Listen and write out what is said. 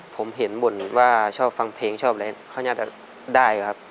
ผมเห็นบ่นว่าชอบฟังเพลงชอบอะไรเขาน่าจะได้ครับ